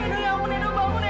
ido ya ampun ido bangun ido